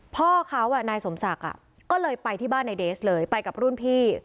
พ่อเขานายสมศักดิ์ก็เลยไปที่บ้านนายเดสเลยไปกับรุ่นพี่